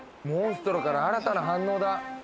モンストロから新たな反応だ！